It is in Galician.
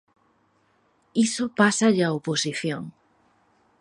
Iso pásalle á oposición.